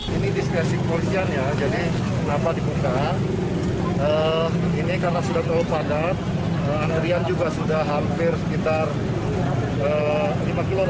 jadi kenapa dibuka ini karena sudah terlalu padat